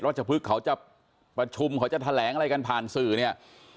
เราจะพลึกเขาจะประชุมและจะแถเเหลงอะไรกันผ่านสื่อเนี้ย